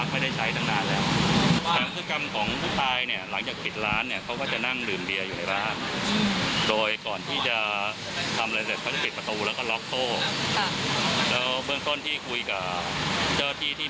มาถึงที่เกิดเหรียบมีการตัดโซ่เข้าไป